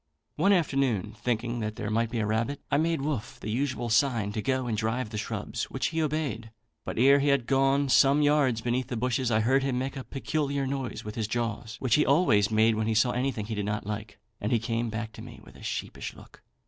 One afternoon, thinking that there might be a rabbit, I made Wolfe the usual sign to go and drive the shrubs, which he obeyed; but ere he had gone some yards beneath the bushes, I heard him make a peculiar noise with his jaws, which he always made when he saw anything he did not like, and he came softly back to me with a sheepish look.